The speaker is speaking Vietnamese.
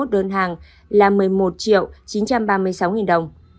đơn hàng là một mươi một triệu chín trăm ba mươi sáu nghìn đồng